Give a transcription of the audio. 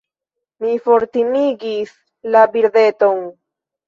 Mi fortimigis la birdeton.